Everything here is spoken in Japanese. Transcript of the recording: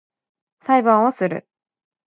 裁判をする